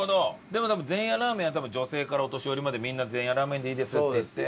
でも多分ぜんやラーメンは女性からお年寄りまでみんなぜんやラーメンでいいですっていって。